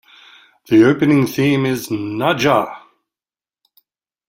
The opening theme is Nadja!!